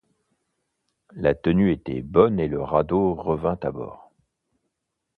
La tenue était bonne et le radeau revint à bord.